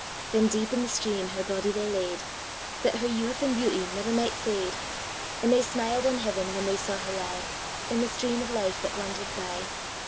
Then deep in the stream her body they laid, That her youth and beauty never might fade; And they smiled on heaven, when they saw her lieIn the stream of life that wander'd bye.